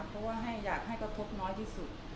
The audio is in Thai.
เพราะว่าอยากให้กระทบน้อยที่สุด